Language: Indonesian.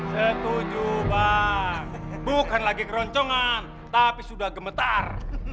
setuju pak bukan lagi keroncongan tapi sudah gemetar